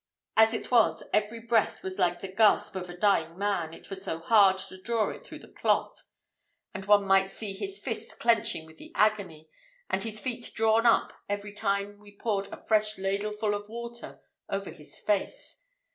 As it was, every breath was like the gasp of a dying man, it was so hard to draw it through the cloth! and one might see his fists clenching with the agony, and his feet drawn up every time we poured a fresh ladleful of water over his face.